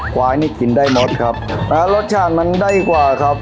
ควายนี่กินได้หมดครับอ่ารสชาติมันได้กว่าครับ